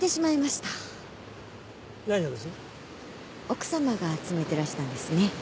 奥さまが集めてらしたんですね。